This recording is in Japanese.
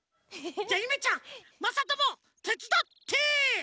じゃゆめちゃんまさともてつだって！